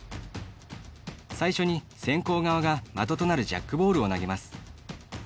最初に、先攻側が的となるジャックボールを投げます。